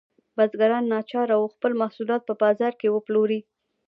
بزګران ناچاره وو خپل محصولات په بازار کې وپلوري.